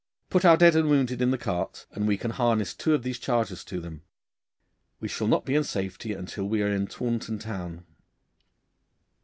Put our dead and wounded in the carts, and we can harness two of these chargers to them. We shall not be in safety until we are in Taunton town.